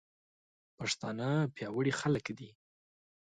پښتانه پياوړي خلک دي.